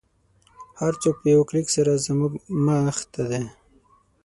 هر څه په یوه کلیک سره زموږ مخته دی